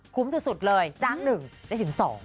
คุ้มสุดเลยดังหนึ่งได้ถึงสอง